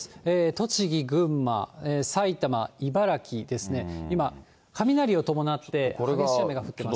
栃木、群馬、埼玉、茨城ですね、今、雷を伴って激しい雨が降ってます。